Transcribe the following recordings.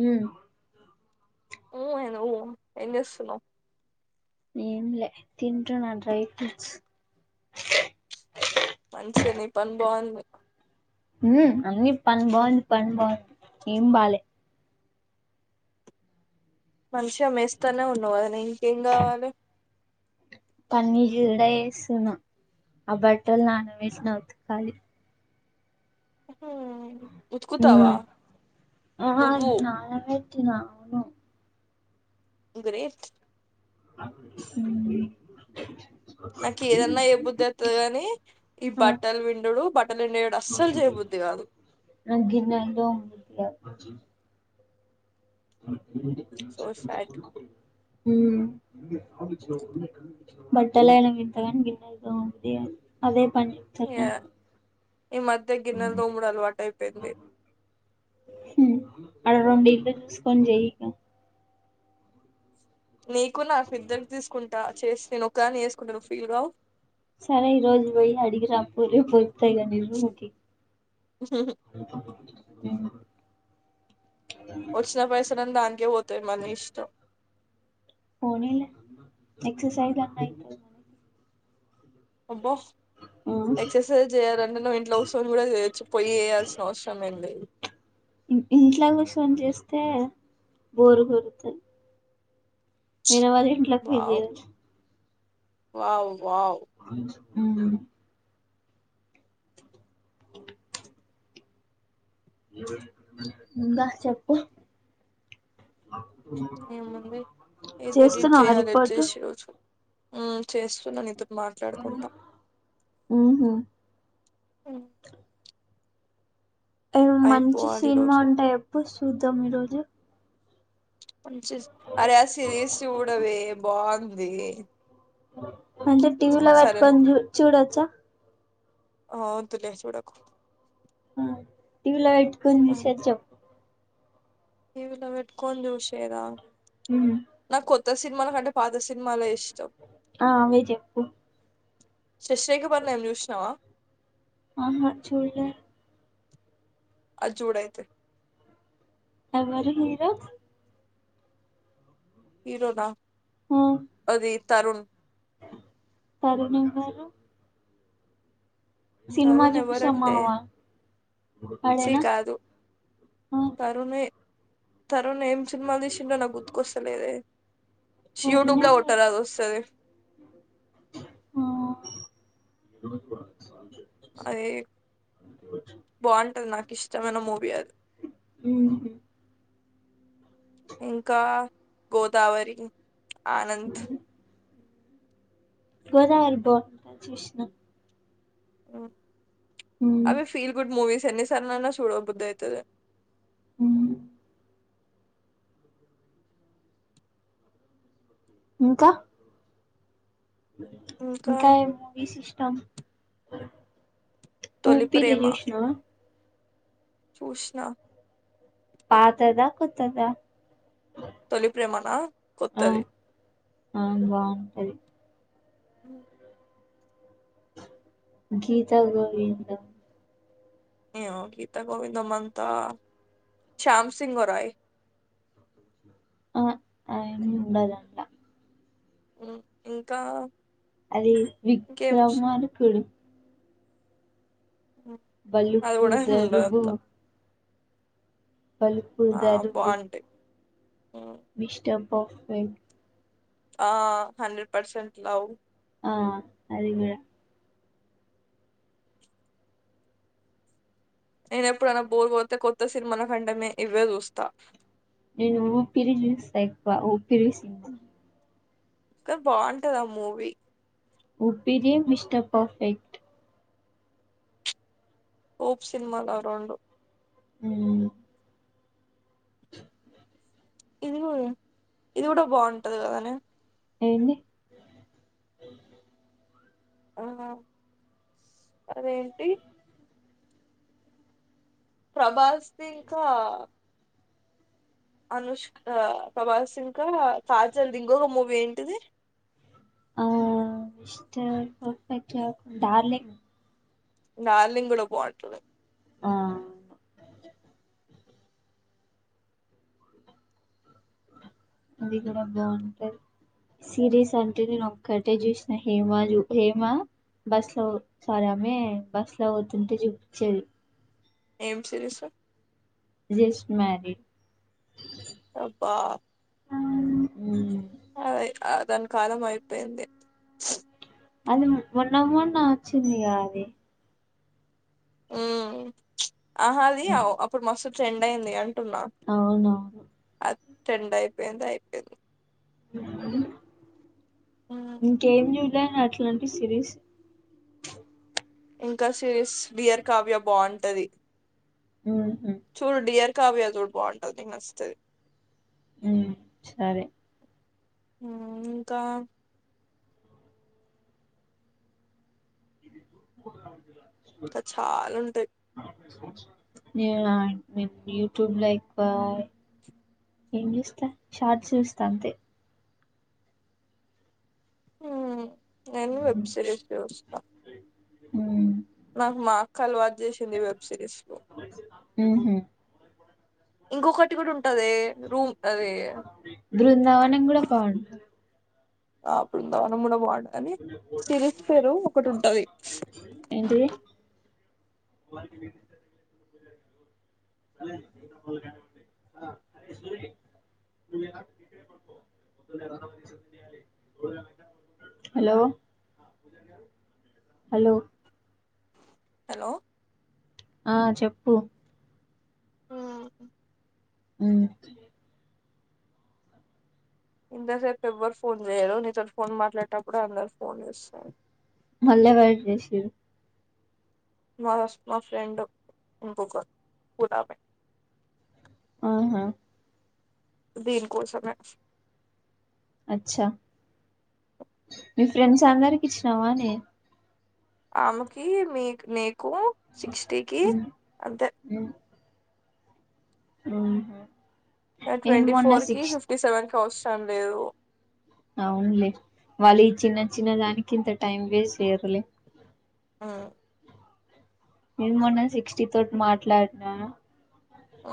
మ్మ్ ఊ ఏంది ఊ ఏం జెస్తున్నావ్? ఏం లే. తింటన్న డ్రై ఫ్రూట్స్. మంచిగ నీ పని బాగుంది. మ్ అన్నీ పని బాగుంది. పని బాగుంది. ఏం బాలేే. మంచిగ మేస్తనే ఉన్నావు కదా నే ఇంకేం కావాలి? పని కూడా చేస్తున్నా. ఆ బట్టలు నానబెట్టిన ఉతకాలి. ఉతుకుతావా మ్. ఆడ నువ్వు నానబెట్టిన. అవును. గ్రేట్. హ్మ్ నాకు ఏదన్న చేయిబుద్ధి అవుతది గాని, ఈ ఆ బట్టలు పిండుడు, బట్టలు పిండేయుడు అస్సలు చేయబుద్ ది కాదు. నాకు గిన్నెలు తోమబుద్ధి కాదు. మ్ సో సాడ్ బట్టలయినా పిండుతాగాని, గిన్నెలు తోమబుద్ధి కాదు. అదే పని చెప్తారు నాకు యా ఈ మధ్య గిన్నెల్ తోమడు అలవాటు అయిపోయింది. హ్మ్ ఆడ రొండు ఇల్లు చూసుకొని చేయి ఇంగా. నీకు నాకు ఇద్దరికి తీసుకుంటా చేసి నేను ఒకదని చేసుకుంటే నువ్వు ఫీల్ గావు. సరే ఈరోజు పోయి అడిగిరాపో రేపు అస్తా ఇగా నీ రూంకి. హ్ వచ్చిన పైసలన్ని దానికే పోతయి మరి నీ ఇష్టం. పోనీలే ఎక్సర్సైజ్ అన్న అయితది. అబ్బా మనకి ఉ ఎక్సర్సైజ్ చేయాలంటే నువ్వు ఇంట్లో కుసోని కూడా చేయొచ్చు. పొయ్యి చేయాల్సిన అవసరం ఏం లేదు. ఇంట్ల కుసోని చేస్తే బోరు కొడతది. వేరే వాళ్ళ ఇంట్లకి పోయి వావ్ చేయచ్చు. వావ్ వావ్ హ్మ్ ఇంగా చెప్పు ఏముంది ఇది ఎడిట్ చేస్తున్నావా చేయాలి రిపోర్టు వచ్చేసి ఈరోజు. ఉ చేస్తున్న నీతో మాట్లాడుకుంటా ఉహు హ్మ్ ఏమంచి అయిపోవాలి ఈ సినిమా రోజు ఉంటే చెప్పు చూద్దాం ఈ రోజు. మంచి అరే ఆ సిరీస్ చూడవే బాగుంది. అంటే స- టీవీలో సరే పెట్టుకొని చూ చూడచ్చా. ఆ వద్దులే చూడకు. ఆ టీ వి లా పెట్టుకొని చూసేది చెప్పు. టి వీ లా పెట్టుకొని చూశేదా. మ్మ్. నాకు కొత్త సినిమాల కంటే పాత సినిమాలే ఇష్టం. ఆ అవే చెప్పు శశిరేఖపరిణయం చూశినవా? ఆహా చూడ్లే. అది చుడయితే. ఎవ్వరు హీరో? హీరోనా ఆ అది తరుణ్. తరుణ్ ఎవ్వరు. సినిమా తరుణ్ చూపిస్తా ఎవరంటే మామ. ఛీ ఆడేనా కాదు ఆ తరుణ్ తరుణ్ ఏం సినిమాలు తీసిండో నాకు గుర్తుకొస్తలేదే. వాడేనా యూట్యూబ్ లో కొట్టరాదు అది వస్తది. ఆ అది బావుంటది నాకు ఇష్టమైన మూవీ అది. ఉహు ఇంకా గోదావరి, ఆనంద్. గోదావరి బావుంది చూశినా. ఉమ్ అవి ఫీల్ గుడ్ మూవీస్ ఎన్నిసార్లు అన్నా చూడబుద్ది అయితది. హ్ ఇంకా ఇంకా ఏ మూవీస్ ఇష్టం. తొలి ఊపిరి చూశినవా? చూశినా పాతదా కొత్తదా తొలి ప్రేమనా ఆ కొత్తది. ఆ బావుంటది. హ్ గీతా గోవిందం ఏమో గత గోవిందం అంతా శ్యామ్ సింగా రాయ్ అ ఏం ఉండదండ్ల ఉ ఇంకా అదీ గేమ్స్ విక్రమార్కుడు అది బలుపు కూడా ఏం ఉండదు ధరుబు అంత బలుపు ఆ దరుబు బాగుంటాయి మిస్టర్ పర్ఫెక్ట్ ఆ హండ్రెడ్ పర్సెంట్ లవ్ ఆ అది గూడ నేను ఎప్పుడైనా బోర్ కొత్తే కొత్త సినిమాన కంటె మే ఇవ్వే చూస్తా నేను ఊపిరి చూస్తా ఎక్కువ ఊపిరి సిన్మా క బావుంటది ఆ మూవీ ఊపిరి మిస్టర్ పర్ఫెక్ట్ ఓప్ సినిమాలు ఆ రెండు ఊ ఇది గూడా బాగుంటది గదనే ఎంది ఆ అదేంటి ప్రభాస్ ది ఇంకా అనుష్క్ ఆ ప్రభాస్ ఇంకా కాజల్ ది ఇంకొక మూవీ ఏంటిది ఆ మిస్టర్ పర్ఫెక్ట్ డార్లింగ్ డార్లింగ్ కూడ బాగుంటది ఆ అది గుడ బాగుంటది సిరీస్ అంటే నేను ఒక్కటే చూసినా హేమా జు హేమా బస్ లో సారి ఆమె బస్ లో వోతుంటే చూపిచ్చేది ఏం సిరీసు జస్ట్ మ్యారిడ్ అబ్బా మ్ అదే అ దాని కాలం అయిపోయింది అది మొన్న మొన్న వచ్చిందిగా అది ఊ అహాది అ ఉమ్, అప్పుడు మస్తు ట్రెండ్ అయింది అవి టున్న అవునవును అద్ టెండ్ అయిపోయింది అయిపోయిన్ ఉమ్. ఇంకేం జూడ్లే న అట్లాంటి సిరీస్ ఇంకా సిరీస్ డియర్ కావ్య బాగుంటది ఊహు చూడు డియర్ కావ్య జూడు బాగుంటది నీకు నచ్తది ఊ సరే ఊమ్ ఇంకా క చాలుంటయ్ నేనా యు యూట్యూబ్ లో ఎక్కువా ఏం జూస్త షార్ట్స్ చూస్తా అంతే ఊ నేను వెబ్ సీరీస్ చూస్తా హూ నాకు మా అక్క అలువాట్ చేసింది వెబ్ సిరీస్ లో ఉహు ఇంకొకటి కూడా ఉన్ టాదే రూమ్ అదే బృందావనం కూడా బాగుంటది ఆ బృందావనం కూడా బాగుంటది సిరీస్ పేరు ఒకటి ఉంటాది ఏంటిది లా అరే సూడ హలో హలో హలో ఆ చెప్పు ఉమ్, ఉమ్మ్ ఇంతసేపు ఎవ్వరు ఫోన్ చేయరు నీతోటి ఫోన్ మాట్లాడేటప్పుడు అందరు ఫోన్ చేస్తారు ళ్ల ఎవరు చేసిరు మా ఫస్ట్ మా ఫ్రెండ్ ఇంకొక ఉడమే ఆహా దీనికోసమే అచ్చ మీ ఫ్రెండ్స్ అందరికీ ఇచ్చినావనే ఆమెకి మీక్ నీకు సిక్స్టీకి ఉహు అంతే మ్మ్ ఉహ్మ్ ఆ ట్వంటీ ఫోర్ కి ఫిఫ్టీ సెవెన్‌కి అవసంలేదు అవునులే వాళ్ళు ఈ చిన్న చిన్న దానికి ఇంత టైం వేస్ట్ చేయ్యరులే ఆ నేను మొన్న సిక్స్టీ తోటి మాట్లాడినా ఆ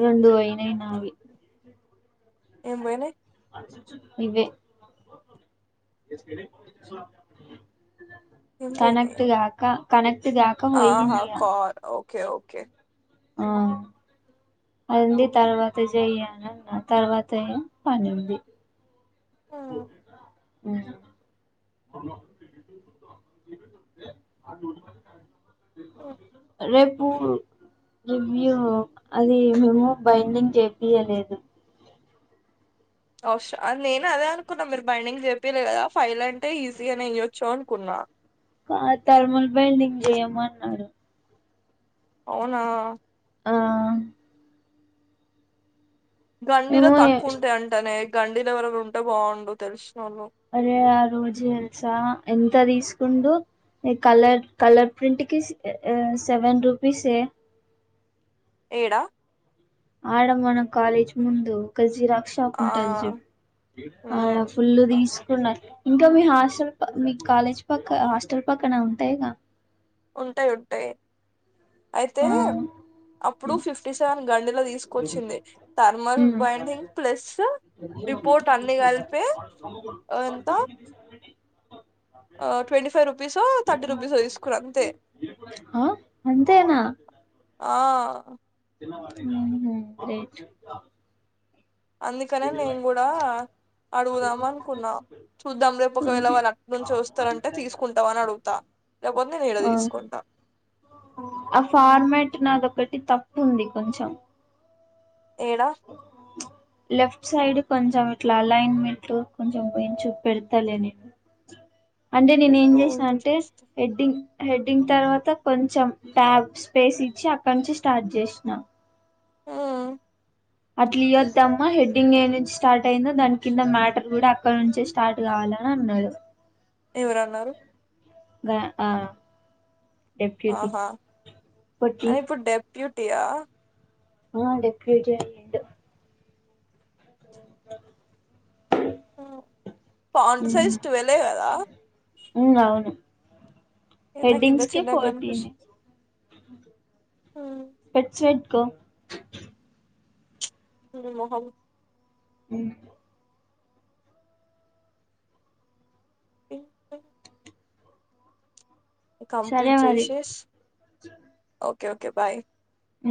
రెండు పోయినాయి నావి ఏం పోయినాయి ఇవే ఏం పోయినాయి కనెక్ట్ గాక కనెక్ట్ గాక పోయింది ఆహా ఇగా కార్ ఓకే ఓకే ఆ అయింది తర్వా త చెయ్ అనా తర్వాతయే పనుంది హ్మ్ రే పు రివ్యూ అది మేము బైండింగ్ చెపియలేదు అవసర అ నేను అదే అనుకున్నా మీరు బైండింగ్ చెప్పలే కదా ఫైల్ అంటే ఈజీగానేే ఇయొచ్చు అనుకున్నా కాద్ థర్ముల్ బైండింగ్ చేయమన్నాడు అవునా ఆ గండీలో తక్కువ మేము ఉంటాయి అంటేనే గండీలో ఎవరేవ ఉంటే బాగుండు తెలుసు అరే ఆరోజు ఎలుసా ఎంత తీసుకుండు ఏ కలర్ కలర్ ప్రింటర్ కి సెవెన్ రూపీస్ ఏ ఏడా అడ మన కాలేజ్ ముందు ఒక జిరా క్స్ షాప్ ఆ ఉంటది జుడు అడ ఉమ్, ఫుల్ తీస్ కుండా ఇంక మీ హాస్టల్ ప మీ కాలేజ్ పక్క హాస్టల్ పక్కన ఉంటాయిగా ఉంటాయి ఉంటాయి అయితే ఆ అప్పుడు ఉమ్, ఫిఫ్టీ సెవె గండిలో తీసుకొచ్చింది థర్మల్ బైండింగ్ ప్లసూ ఎ తీంట వా నము వా ఎంత ట్వంటీ ఫైవ్ రూపీసో థర్టీ రుపీసో తీసుకున అంతే ఆ అంతేనా ఆ మ్మ్ ఉహ్మ్ గ్రేట్ అందుకనే నేను కూడా అడుగుదాం అనుకున్నా, చూద్దాం రేపు ఒకవేళ వాళ్ళు అటు నుంచి వస్తారంటే తీసుకుంటాం అని అడుగుతా, లేకపోతే నేను ఇడ ఆ తీసుకుంటా, ఆ ఫార్మాట్ నాదొకటి తప్పు ఉంది కొంచెం ఏడా ఇటు సైడ్ కొంచెం ఇట్లా లైన్మెంట్లు కొంచెం చూపెడతాలే నీకు అంటే నేను ఏం పెట్టు చేసినా ఇంకా అంటే చూస్తా హేడ్డింగ్, హెడ్డింగ్ తర్వాత కొంచెం ట్యాబ్ స్పేస్ ఇచ్చి అక్కడ నుంచి స్టార్ట్ చేసినా, ఉ అట్లా ఇయొద్దమ్మా హెడ్డింగ్ ఏ నుంచి స్టార్ట్ అయిందో దాని కింద మ్యాటర్ కూడా అక్కడ నుంచే స్టార్ట్ కావాలి, ఎ మన్న ఎవరన్నారు, ఆ డిప్యుటి పెట్టు, ప్యూటియా ఆ డిప్యుటీ ఎండ్ పాౌంట ఉమ్, సైజ్ ట్వెవే కదా అవును నాకు ఇంత హెడ్డింగ్స్ కి చిన్నగా ఫోర్టీన్ కనిపిస్తుంది స్పెట్స్ పెట్టుకో హు మహం ఉ [unintelligible] సరే కంప్లీట్ మరి చేసెస్ ఓకే ఓకే బాయ్ ఉ